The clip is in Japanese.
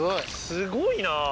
すごいな。